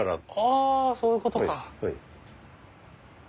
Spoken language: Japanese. あそういうことか。